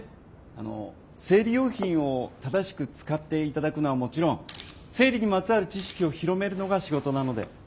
あの生理用品を正しく使っていただくのはもちろん生理にまつわる知識を広めるのが仕事なので。